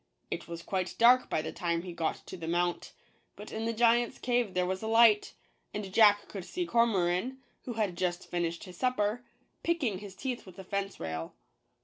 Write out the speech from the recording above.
It was quite dark by the time he got to the mount ; but in the giant's cave there was a light, and Jack could see Cormoran, who had just finished his supper, picking his teeth with a fence rail.